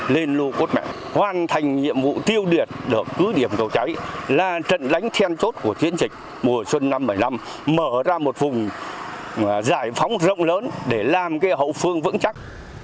lên lô cốt mạng hoàn thành nhiệm vụ tiêu diệt được cứ điểm cầu cháy là trận lánh then chốt của chiến dịch mùa xuân năm bảy mươi năm mở ra một vùng giải phóng rộng lớn để làm cái hậu phương vững chắc